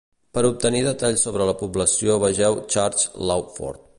Per obtenir detalls sobre la població vegeu Church Lawford.